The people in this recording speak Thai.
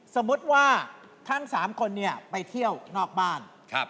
สมมุติว่าทั้งสามคนเนี่ยไปเที่ยวนอกบ้าน